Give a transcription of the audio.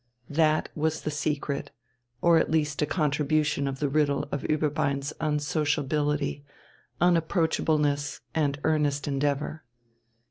That was the secret, or at least a contribution of the riddle of Ueberbein's unsociability, unapproachableness, and earnest endeavour.